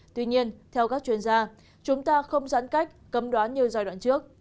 tuy nhiên theo các chuyên gia chúng ta không giãn cách cấm đoán như giai đoạn trước